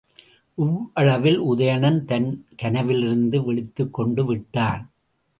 இவ்வளவில் உதயணன் தன் கனவிலிருந்து விழித்துக் கொண்டுவிட்டான்.